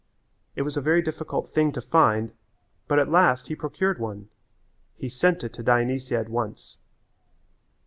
It was a very difficult thing to find but at last he procured one. He sent it to Dionysia at once.